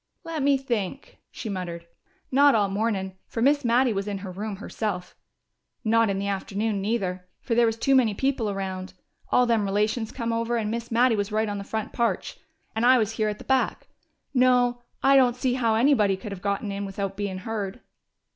"Let me think," she muttered. "Not all mornin', fer Miss Mattie was in her room herself. Not in the afternoon, neither, fer there was too many people around. All them relations come over, and Miss Mattie was right on the front parch and I was here at the back.... No, I don't see how anybody could have got in without bein' heard."